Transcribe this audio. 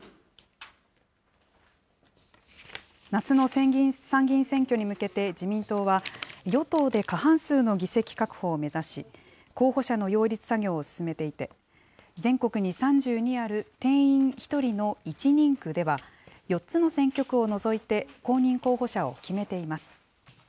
夏の参議院選挙に向けて、自民党は、与党で過半数の議席確保を目指し、候補者の擁立作業を進めていて、全国に３２ある定員１人の１人区では、４つの選挙区を除いて、公認候補者を決めています。